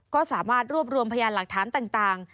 ก็สามารถรวบรวมพยานหลักฐานต่าง